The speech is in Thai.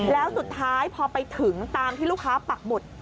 แล้วสุดท้ายพอไปถึงตามที่ลูกค้าปักหมุด